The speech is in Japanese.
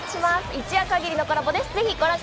一夜限りのコラボです。